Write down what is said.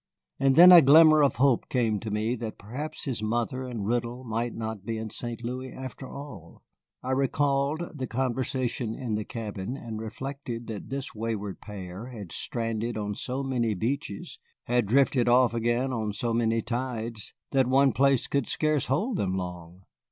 And then a glimmer of hope came to me that perhaps his mother and Riddle might not be in St. Louis after all. I recalled the conversation in the cabin, and reflected that this wayward pair had stranded on so many beaches, had drifted off again on so many tides, that one place could scarce hold them long.